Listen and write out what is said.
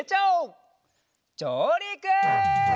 じょうりく！